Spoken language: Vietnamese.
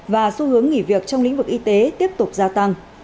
và xu hướng nghỉ việc trong lĩnh vực y tế tiếp tục gia tăng